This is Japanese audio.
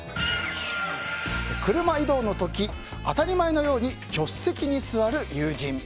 車移動の時、当たり前のように助手席に座る友人。